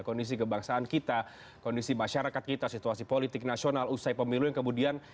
kondisi kebangsaan kita kondisi masyarakat kita situasi politik nasional usai pemilu yang kemudian